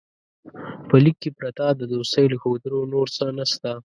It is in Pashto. په لیک کې پرته د دوستۍ له ښودلو نور څه نسته.